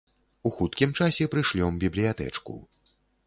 У хуткім часе прышлём бібліятэчку.